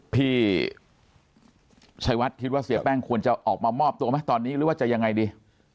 พี่ชัยวัดคิดว่าเสียแป้งควรจะออกมามอบตัวไหมตอนนี้หรือว่าจะยังไงดี